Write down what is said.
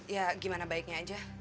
ya gimana baiknya aja